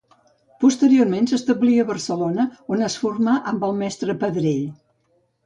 Posteriorment s'establí a Barcelona, on es formà amb el mestre Pedrell.